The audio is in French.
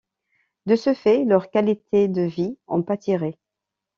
De ce fait, leur qualité de vie en pâtirait.